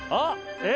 えっ！？